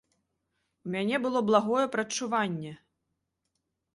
У мяне было благое прадчуванне!